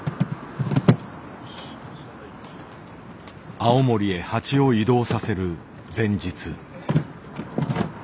青森へ蜂を移動させる前日。